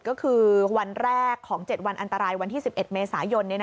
ก็คือวันแรกของ๗วันอันตรายวันที่๑๑เมษายน